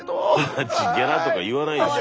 同じギャラとか言わない。